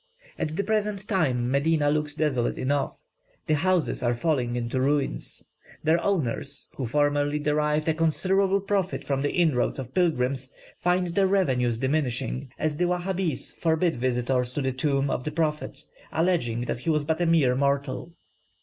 At the present time Medina looks desolate enough; the houses are falling into ruins. Their owners, who formerly derived a considerable profit from the inroad of pilgrims, find their revenues diminishing, as the Wahabees forbid visitors to the tomb of the prophet, alleging that he was but a mere mortal.